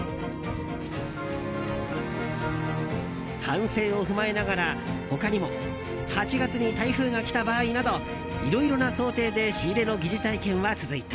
反省を踏まえながら他にも８月に台風が来た場合などいろいろな想定で仕入れの疑似体験は続いた。